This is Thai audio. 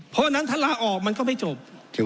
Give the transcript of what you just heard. เพราะฉะนั้นถ้าลาออกมันก็ไม่จบ